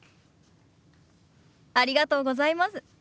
ありがとうございます。